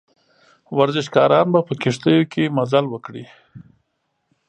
ورزشکاران به په کښتیو کې مزل وکړي.